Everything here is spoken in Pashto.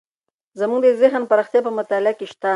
زموږ د ذهن پراختیا په مطالعه کې شته.